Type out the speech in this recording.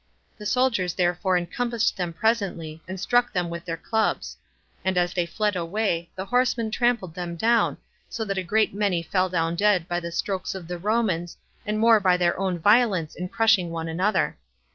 The soldiers therefore encompassed them presently, and struck them with their clubs; and as they fled away, the horsemen trampled them down, so that a great many fell down dead by the strokes of the Romans, and more by their own violence in crushing one another.